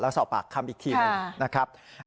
แล้วสอบปากคำอีกทีหนึ่งนะครับ